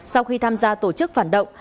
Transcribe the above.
sau khi tham gia tổ chức phản động